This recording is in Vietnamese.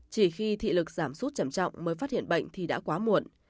chỉ khi thị lực giảm sút chầm trọng mới phát hiện bệnh thì đã quá muộn